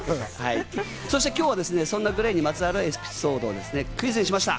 そして今日はそんなＧＬＡＹにまつわるエピソードをクイズにしました。